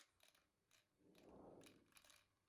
Experto en temas de la Iglesia católica.